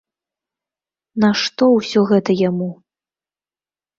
Нашто ўсё гэта яму?